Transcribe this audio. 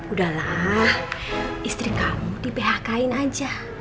udahlah istri kamu di phk in aja